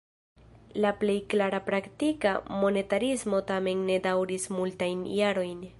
La plej klara praktika monetarismo tamen ne daŭris multajn jarojn.